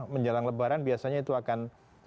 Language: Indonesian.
menjelang lebaran biasanya itu akan